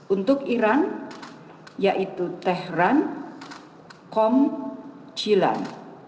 untuk iran yaitu tehran qom jilan